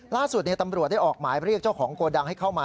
ล่าสุดตำรวจได้ออกหมายเรียกเจ้าของโกดังให้เข้ามา